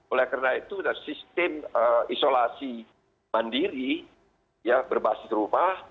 oleh karena itu sistem isolasi mandiri berbasis rumah